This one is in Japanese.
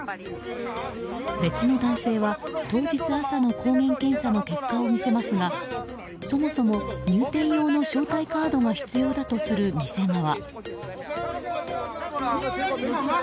別の男性は当日朝の抗原検査の結果を見せますがそもそも入店用の招待カードが必要だとする店側。